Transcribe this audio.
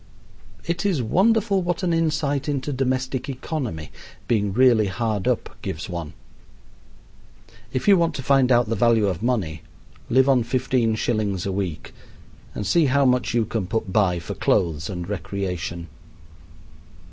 It is wonderful what an insight into domestic economy being really hard up gives one. If you want to find out the value of money, live on 15 shillings a week and see how much you can put by for clothes and recreation.